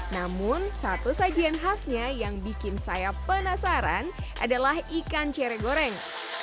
namun satu sajian khasnya yang bikin saya penasaran adalah ikan cere goreng